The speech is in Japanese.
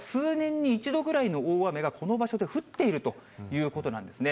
これは数年に一度ぐらいの大雨が、この場所で降っているということなんですね。